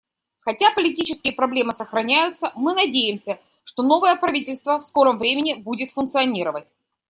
Хотя политические проблемы сохраняются, мы надеемся, что новое правительство в скором времени будет функционировать.